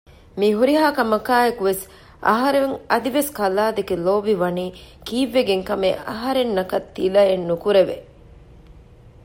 މި ހުރިހާ ކަމަކާއެކުވެސް އަހަރެން އަދިވެސް ކަލާދެކެ ލޯބި ވަނީ ކީއްވެގެން ކަމެއް އަހަރެންނަކަށް ތިލައެއް ނުކުރެވެ